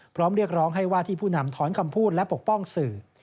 เรียกร้องให้ว่าที่ผู้นำถอนคำพูดและปกป้องสื่อ